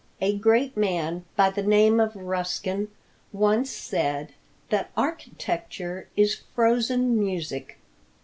A great man by the name of Ruskin once said that "Architecture is frozen music."